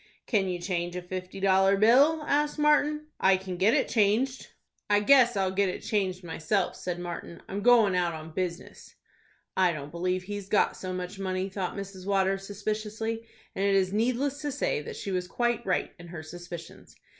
"Can you change a fifty dollar bill?" asked Martin. "I can get it changed." "I guess I'll get it changed myself," said Martin. "I'm goin' out on business." "I don't believe he's got so much money," thought Mrs. Waters, suspiciously, and it is needless to say that she was quite right in her suspicions.